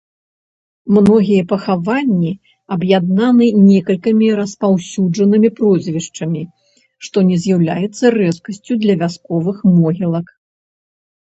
Многія пахаванні аб'яднаны некалькімі распаўсюджанымі прозвішчамі, што не з'яўляецца рэдкасцю для вясковых могілак.